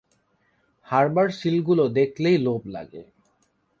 হারবার সিলগুলো দেখলেই লোভ লাগে।